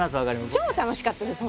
超楽しかったです